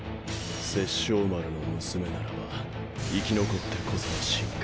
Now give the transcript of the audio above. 殺生丸の娘ならば生き残ってこその真価。